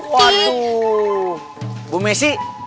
waduh bu messi